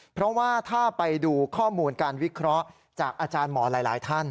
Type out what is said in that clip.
เพราะว่าถ้าไปดูข้อมูลการวิเคราะห์จากอาจารย์หมอหลายท่าน